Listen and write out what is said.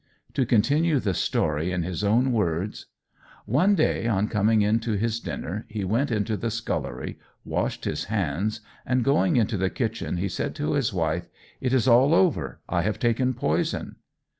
To continue the story in his own words, "One day, on coming in to his dinner, he went into the scullery, washed his hands, and, going into the kitchen, he said to his wife, 'It is all over; I have taken poison.'